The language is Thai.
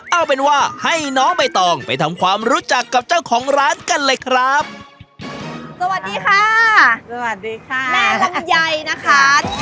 เอาเป็นว่าให้น้องใบตองไปทำความรู้จักกับเจ้าของร้านกันเลยครับสวัสดีค่ะสวัสดีค่ะแม่ลำไยนะคะ